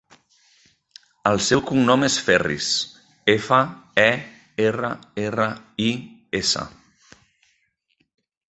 El seu cognom és Ferris: efa, e, erra, erra, i, essa.